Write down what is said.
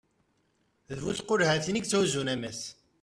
d bu tqulhatin i yetthuzzun ammas